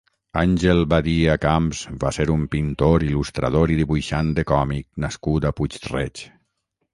Ángel Badía Camps va ser un pintor, il·lustrador i dibuixant de còmic nascut a Puig-reig.